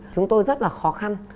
chúng tôi rất là khó khăn